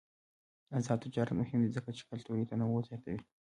آزاد تجارت مهم دی ځکه چې کلتوري تنوع زیاتوي.